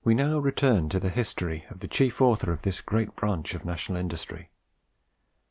We now return to the history of the chief author of this great branch of national industry.